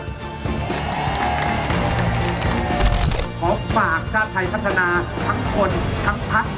ขอฝากชาติไทยพัฒนาทั้งคนทั้งพัก